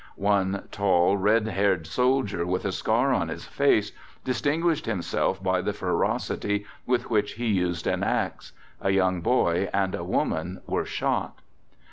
One tall red haired soldier with a scar on his face distinguished himself by the ferocity with which he used an axe. A young boy and a woman were shot.